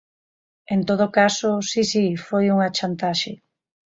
En todo caso, si, si, foi unha chantaxe.